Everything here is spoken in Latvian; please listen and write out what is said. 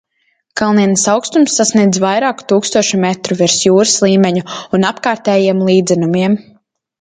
Kalnienes augstums sasniedz vairāku tūkstošus metru virs jūras līmeņa un apkārtējiem līdzenumiem.